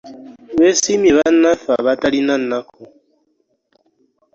Beesiimye bannaffe abatalina nnaku.